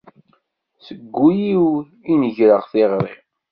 Seg wul-iw i n-greɣ tiɣri.